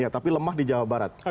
tapi lemah di jawa barat